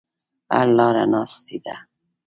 حل لاره ناستې دي.